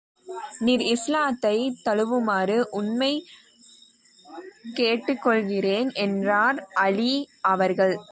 நீர் இஸ்லாத்தைத் தழுவுமாறு, உம்மைக் கேட்டுக் கொள்கிறேன் என்றார் அலீ அவர்கள்.